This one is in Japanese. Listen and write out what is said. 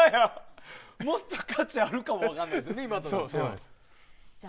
もっと価値あるかも分からないですね、今となっては。